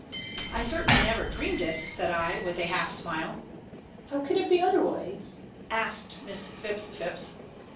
"I certainly never dreamed it," said I, with a half smile. "How could it be otherwise?" asked Miss Phipps Phipps.